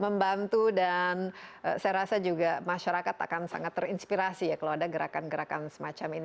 membantu dan saya rasa juga masyarakat akan sangat terinspirasi ya kalau ada gerakan gerakan semacam ini